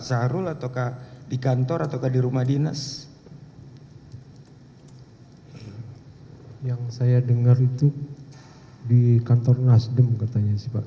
sarul ataukah di kantor atau di rumah dinas yang saya dengar itu di kantor nasdem katanya sih pak